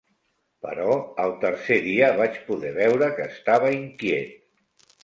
Però al tercer dia vaig poder veure que estava inquiet.